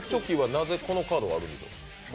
なぜ、このカードがあるんでしょう？